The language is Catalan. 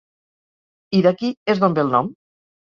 I d'aquí és d'on ve el nom.